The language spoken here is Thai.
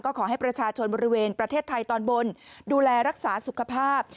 ขอให้ประชาชนบริเวณประเทศไทยตอนบนดูแลรักษาสุขภาพ